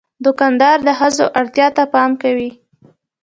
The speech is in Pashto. دوکاندار د ښځو اړتیا ته پام کوي.